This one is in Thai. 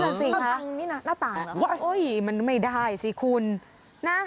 เข้าทางไหนนั่นสิครับโอ๊ยมันไม่ได้สิคุณ